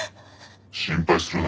「心配するな。